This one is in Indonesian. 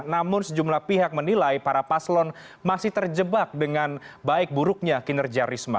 namun sejumlah pihak menilai para paslon masih terjebak dengan baik buruknya kinerja risma